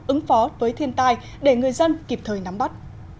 ứng phó với thiên tai để người dân kịp thời nắm bắt